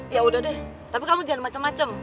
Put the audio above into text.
ya udah deh tapi kamu jangan macem macem